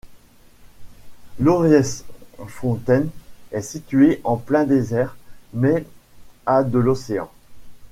Loeriesfontein est située en plein désert mais a de l'océan.